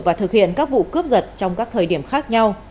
và thực hiện các vụ cướp giật trong các thời điểm khác nhau